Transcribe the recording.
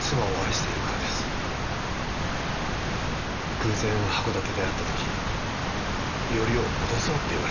偶然函館で会った時よりを戻そうって言われました。